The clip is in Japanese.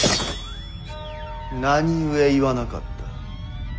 何故言わなかった？